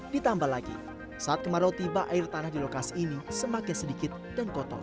ditambah lagi saat kemarau tiba air tanah di lokasi ini semakin sedikit dan kotor